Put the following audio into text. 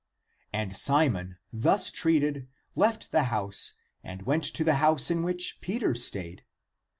And Simon, thus treated, left the house and went to the house in which Peter stayed.